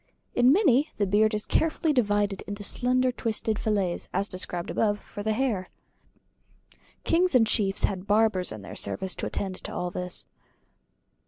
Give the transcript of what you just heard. In many the beard is carefully divided into slender twisted fillets, as described above for the hair. Kings and chiefs had barbers in their service to attend to all this.